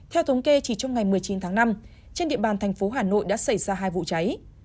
theo thống kê chỉ trong ngày một mươi chín tháng năm trên địa bàn thành phố hà nội đã xảy ra hai vụ cháy